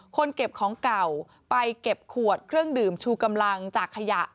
คนเก็บของเก่าไปเก็บขวดเครื่องดื่มชูกำลังจากขยะ